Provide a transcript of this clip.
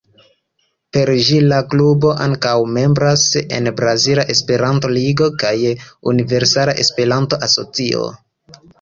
Per ĝi la klubo ankaŭ membras en Brazila Esperanto-Ligo kaj Universala Esperanto-Asocio.